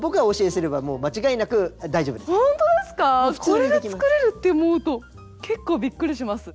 これで作れるって思うと結構びっくりします。